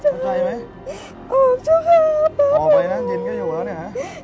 เข้าใจไหมออกช่วยครับออกไปนั่งยินก็อยู่แล้วเนี้ย